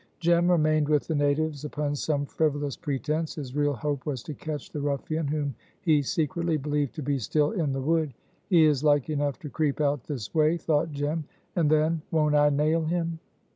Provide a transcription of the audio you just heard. Jem remained with the natives upon some frivolous pretense. His real hope was to catch the ruffian whom he secretly believed to be still in the wood. "He is like enough to creep out this way," thought Jem, "and then won't I nail him!"